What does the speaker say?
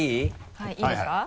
はいいいですか？